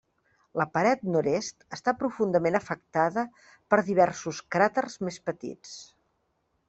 La paret nord-est està profundament afectada per diversos cràters més petits.